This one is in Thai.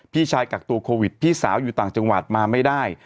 พี่ชายกักตัวโควิดพี่สาวอยู่ต่างจังหวัดมาไม่ได้